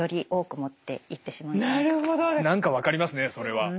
何か分かりますねそれは。